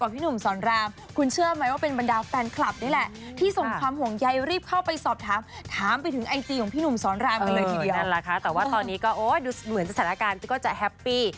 แต่ว่าตอนนี้ก็เหมือนสถานการณ์ที่ก็จะแฮปปี้